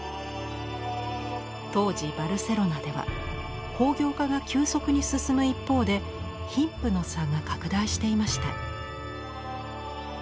当時バルセロナでは工業化が急速に進む一方で貧富の差が拡大していました。